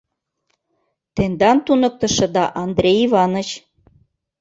Тендан туныктышыда Андрей Иваныч».